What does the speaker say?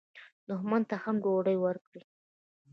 دښمن ته هم ډوډۍ ورکړئ